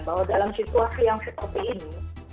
bahwa dalam situasi yang seperti ini